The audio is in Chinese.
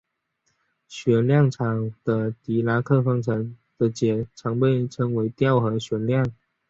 旋量场的狄拉克方程的解常被称为调和旋量。